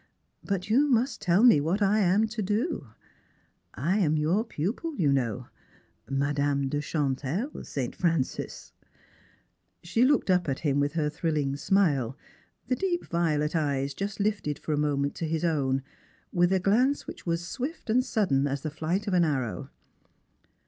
But you must tell me what I am to io. I am your pupil, you know — your Madame de Chantal, St. Francis !" She looked up at him with her thriUing smile wthe deep violet eyes just lifted for a moment to his own, with a glance which was swift and sudden as the flight of an arrow.